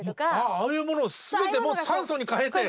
ああいうものを全て酸素に変えて。